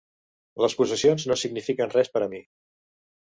Les possessions no signifiquen res per a mi.